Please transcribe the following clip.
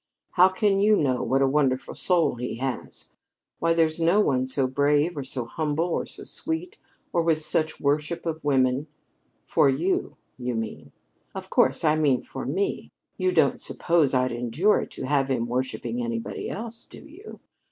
How can you know what a wonderful soul he has? Why, there's no one so brave, or so humble, or so sweet, or with such a worship for women " "For you, you mean." "Of course I mean for me. You don't suppose I'd endure it to have him worshiping anybody else, do you?